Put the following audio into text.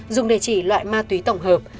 dùng để chỉ loại ma túy tổng hợp